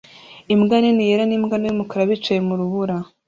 Imbwa nini yera n'imbwa nto y'umukara bicaye mu rubura